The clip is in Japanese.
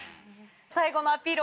最後のアピール